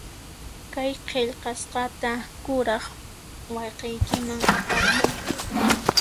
Kay qillqasqata kuraq wayqiykiman aparquy.